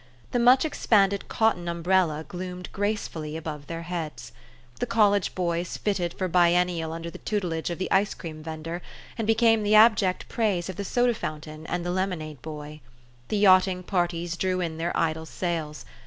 The much expanded cotton um brella gloomed gracefully above their heads. The college boys fitted for biennial under the tutelage of the ice cream vender, and became the abject preys of the soda fountain and the lemonade boy. The yachting parties drew in their idle sails.